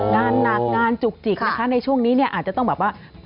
งานหนักงานจุกจิกนะคะในช่วงนี้เนี่ยอาจจะต้องแบบว่า